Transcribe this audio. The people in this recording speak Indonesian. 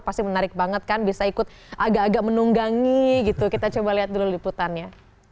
pasti menarik banget kan bisa ikut agak agak menunggangi gitu kita coba lihat dulu liputannya